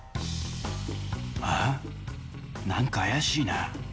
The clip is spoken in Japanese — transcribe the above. なんか怪しいな。